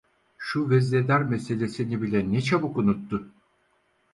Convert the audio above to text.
Şu veznedar meselesini bile ne çabuk unuttu.